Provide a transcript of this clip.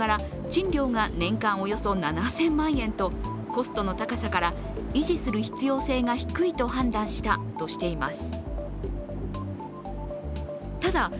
賃料が年間およそ７０００万円とコストの高さから維持する必要性が低いと判断したとしています。